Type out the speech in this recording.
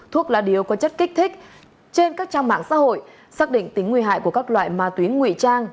thuốc lá điếu có chất kích thích trên các trang mạng xã hội xác định tính nguy hại của các loại ma túy nguy trang